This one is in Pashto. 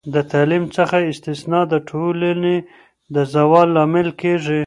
د تعلیم څخه استثنا د ټولنې د زوال لامل کیږي.